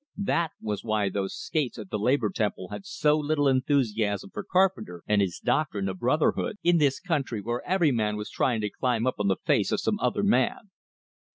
That was why those "skates" at the Labor Temple has so little enthusiasm for Carpenter and his doctrine of brotherhood! In this country where every man was trying to climb up on the face of some other man!